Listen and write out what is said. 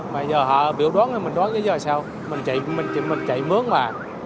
mà giờ họ biểu đoán thì mình đoán cái gì rồi sao mình chạy mướn mà